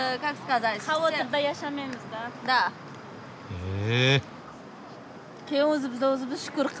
へえ。